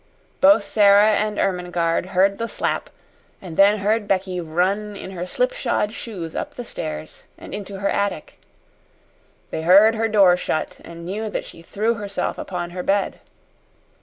Both Sara and Ermengarde heard the slap, and then heard Becky run in her slipshod shoes up the stairs and into her attic. They heard her door shut, and knew that she threw herself upon her bed.